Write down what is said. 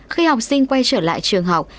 khi học sinh quay trở lại trường học